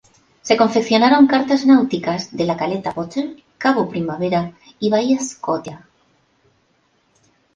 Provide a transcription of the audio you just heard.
Se confeccionaron cartas náuticas de la caleta Potter, cabo Primavera y bahía Scotia.